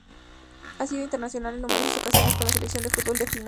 Ha sido internacional en numerosas ocasiones con la Selección de fútbol de Finlandia.